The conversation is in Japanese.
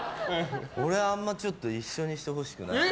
俺あんまりちょっと一緒にしてほしくない。